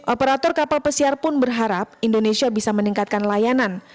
operator kapal pesiar pun berharap indonesia bisa meningkatkan layanan